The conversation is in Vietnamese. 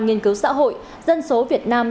nghiên cứu xã hội dân số việt nam